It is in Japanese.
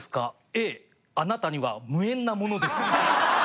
Ａあなたには無縁なものです」。